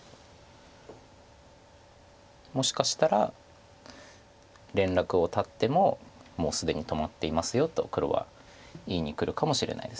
もしかしたら連絡を断ってももう既に止まっていますよと黒は言いにくるかもしれないです。